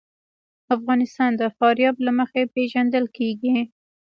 افغانستان د فاریاب له مخې پېژندل کېږي.